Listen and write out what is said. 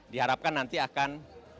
diharapkan nanti akan